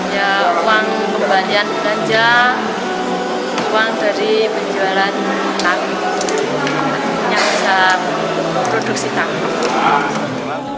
ya uang pembalian belanja uang dari penjualan tahu yang bisa produksi tahu